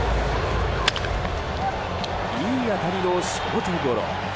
いい当たりもショートゴロ。